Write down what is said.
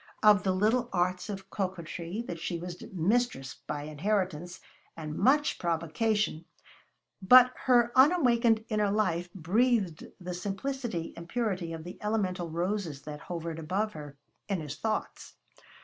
Of the little arts of coquetry she was mistress by inheritance and much provocation, but her unawakened inner life breathed the simplicity and purity of the elemental roses that hovered about her in his thoughts.